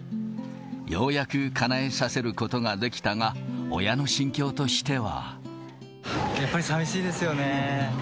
ようやくかなえさせることができたが、やっぱりさみしいですよね。